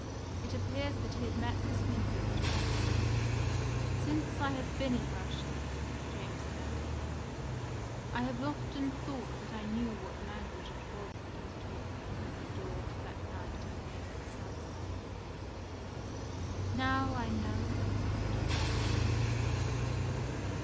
It appears that he had met the swindlers at a restaurant." "Since I have been in Russia," Jameson added, "I have often thought that I knew what language it was that was talked behind the door that night in the inn at Salzheim, but now I know it was Russian."